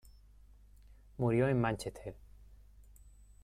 Murió en Manchester.